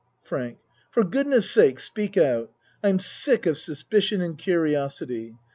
FRANK For goodness sake speak out. I'm sick of suspicion and curiosity.